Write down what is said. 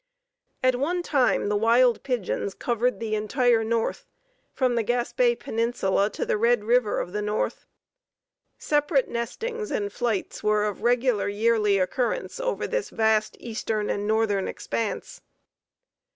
At one time the wild pigeons covered the entire north from the Gaspé Peninsula to the Red River of the North. Separate nestings and flights were of regular yearly occurrence over this vast eastern and northern expanse.